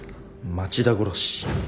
町田殺し。